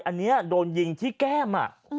อันนี้โดนยิงที่แก้ม